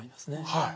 はい。